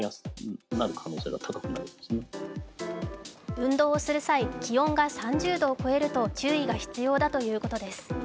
運動をする際、気温が３０度を超えると注意が必要だということです。